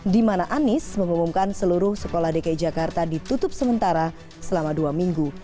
di mana anies mengumumkan seluruh sekolah dki jakarta ditutup sementara selama dua minggu